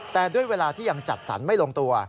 แต่ด้วยเวลาที่ยังจัดสรรไม่ลงตัว